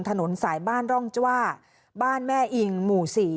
ถนนสายบ้านร่องจ้าบ้านแม่อิงหมู่๔